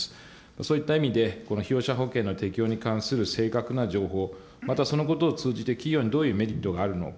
そういった意味で、この被用者保険の適用に関する正確な情報、またそのことを通じて、企業にどういうメリットがあるのか。